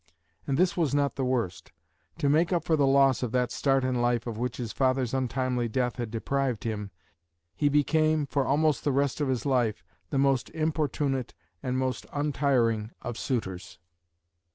And this was not the worst. To make up for the loss of that start in life of which his father's untimely death had deprived him, he became, for almost the rest of his life, the most importunate and most untiring of suitors.